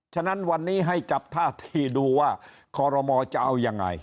ฉะนั้นวันนี้ให้จับท่าทีดูว่าคอรมอจะเอายังไง